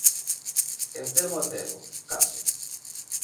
Enfermo e cego, case.